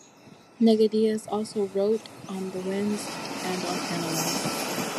Nigidius also wrote on the winds and on animals.